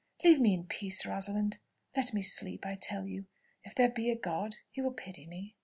Leave me in peace, Rosalind. Let me sleep, I tell you. If there be a God, he will pity me!"